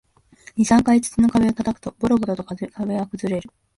二、三回土の壁を叩くと、ボロボロと壁は崩れる